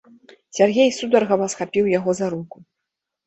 Сяргей сударгава схапіў яго за руку.